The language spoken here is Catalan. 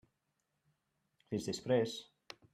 Fins després.